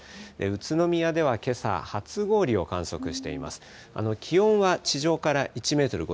宇都宮ではけさ、初氷を観測しています。